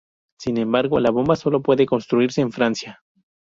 Sin embargo la bomba solo puede construirse en Francia.